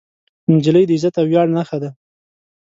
نجلۍ د عزت او ویاړ نښه ده.